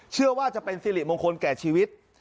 เชื่อว่าจะเป็นสิริมงคลแก่ชีวิต